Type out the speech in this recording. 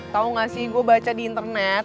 tau gak sih gue baca di internet